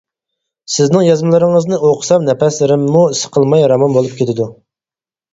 سىزنىڭ يازمىلىرىڭىزنى ئوقۇسام نەپەسلىرىممۇ سىقىلماي راۋان بولۇپ كېتىدۇ.